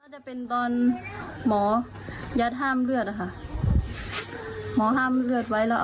จะเป็นตอนหมอยัดห้ามเลือดอะค่ะหมอห้ามเลือดไว้แล้ว